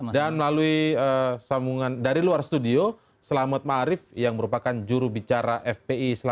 dan melalui sambungan dari luar studio selamat ma'arif yang merupakan juru bicara fpi